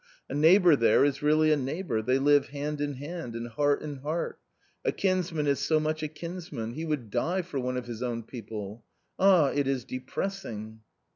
A neighbour there is really a neighbour, they live hand in hand, and heart in heart ; a kinsman is so much a kinsman ; he would die for one of his own people — ah ! it is depressing